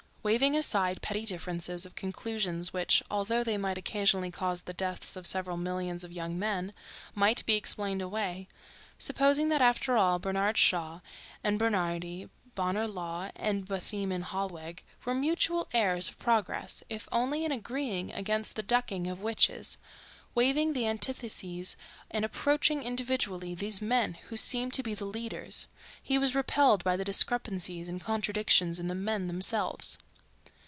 Waving aside petty differences of conclusions which, although they might occasionally cause the deaths of several millions of young men, might be explained away—supposing that after all Bernard Shaw and Bernhardi, Bonar Law and Bethmann Hollweg were mutual heirs of progress if only in agreeing against the ducking of witches—waiving the antitheses and approaching individually these men who seemed to be the leaders, he was repelled by the discrepancies and contradictions in the men themselves.